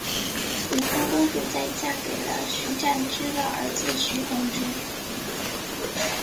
武康公主在嫁给了徐湛之的儿子徐恒之。